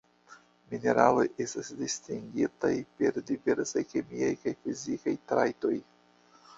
Mineraloj estas distingitaj per diversaj kemiaj kaj fizikaj trajtoj.